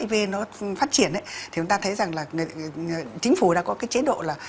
hiv nó phát triển thì chúng ta thấy rằng chính phủ đã có cái chế độ là